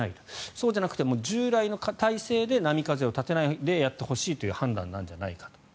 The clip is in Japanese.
そうじゃなくて従来の体制で波風を立てないでやってほしいという判断なんじゃないか。